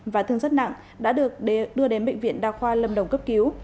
và thương rất nặng đã được đưa đến bệnh viện đa khoa lâm đồng cấp cứu